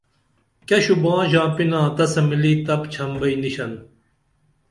کیہ شوباں ژاپِنا تسہ ملی تپ چھم بئی نِشن